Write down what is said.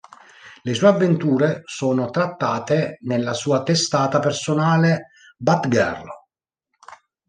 Le sue avventure sono trattate nella sua testata personale "Batgirl".